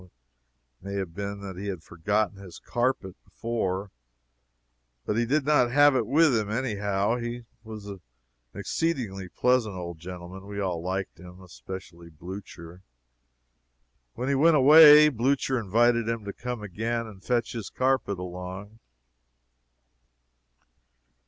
It may have been that he had forgotten his carpet, before, but he did not have it with him, anyhow. He was an exceedingly pleasant old gentleman; we all liked him, especially Blucher. When he went away, Blucher invited him to come again and fetch his carpet along.